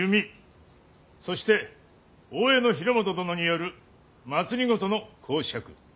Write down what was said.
そして大江広元殿による政の講釈。